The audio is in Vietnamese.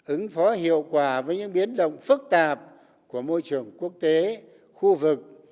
ứng phó hiệu quả với những biến động phức tạp của môi trường quốc tế khu vực